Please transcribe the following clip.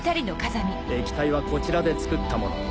液体はこちらで作ったもの。